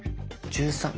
１３